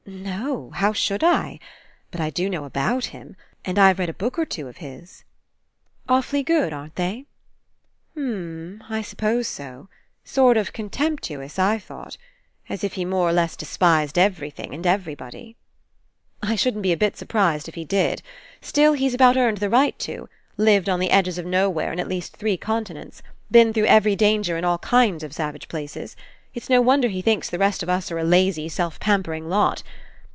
"No. How should I? But I do know about him. And I've read a book or two of his." "Awfully good, aren't they?" "U umm, I s'pose so. Sort of contemp tuous, I thought. As if he more or less despised everything and everybody." "I shouldn't be a bit surprised if he did. Still, he's about earned the right to. Lived on the edges of nowhere in at least three conti nents. Been through every danger in all kinds of savage places. It's no wonder he thinks the rest of us are a lazy self pampering lot.